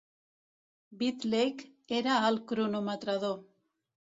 Bidlake era el Cronometrador.